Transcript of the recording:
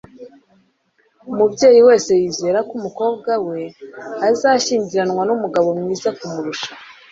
umubyeyi wese yizera ko umukobwa we azashyingiranwa n'umugabo mwiza kumurusha